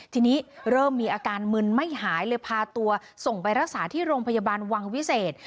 ทีนี้เริ่มมีอาการมึนไม่หายเลยพาตัวส่งไปรักษาที่โรงพยาบาลวังวิเศษ